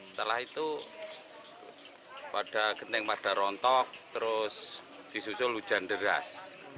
setelah itu pada genting pada rontok terus disusul hujan deras